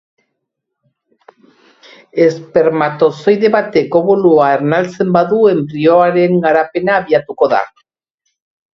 Espermatozoide batek obulua ernaltzen badu enbrioiaren garapena abiatuko da.